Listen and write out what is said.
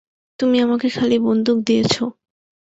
তুমি আমাকে খালি বন্দুক দিয়েছো?